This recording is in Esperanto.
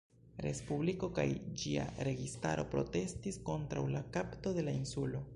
Respubliko kaj ĝia registaro protestis kontraŭ la kapto de la insulo.